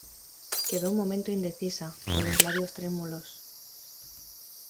quedó un momento indecisa, con los labios trémulos.